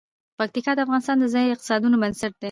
پکتیکا د افغانستان د ځایي اقتصادونو بنسټ دی.